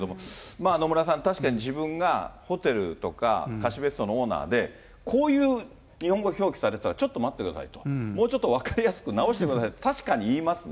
まあ、野村さん、確かに自分がホテルとか貸別荘のオーナーで、こういう日本語表記されたら、ちょっと待ってくださいと、もうちょっと分かりやすく直してくださいって、確かに言いますね。